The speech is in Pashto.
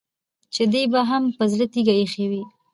چې دې به هم په زړه تيږه اېښې وي.